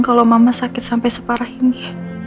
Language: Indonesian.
kalau mama sakit sampai separah ini